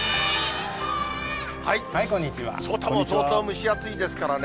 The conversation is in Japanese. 外も相当蒸し暑いですからね。